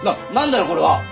これは。